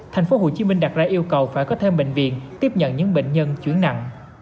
tp hcm đặt ra yêu cầu phải có thêm bệnh viện tiếp nhận những bệnh nhân chuyển nặng